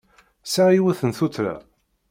Sɛiɣ yiwet n tuttra.